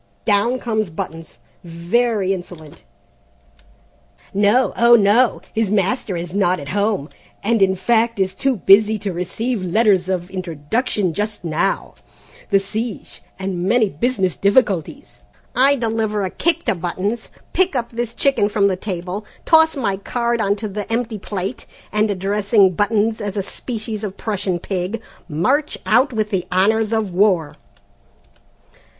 Down comes Buttons, very insolent. No, oh, no, his master, 'is not at home, and in fact is too busy to receive letters of introduction just now; the siege, and many business difficulties ' "I deliver a kick to Buttons, pick up this chicken from the table, toss my card on to the empty plate, and addressing Buttons as a species of Prussian pig, march out with the honours of war."